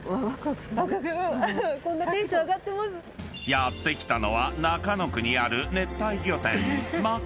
［やって来たのは中野区にある熱帯魚店］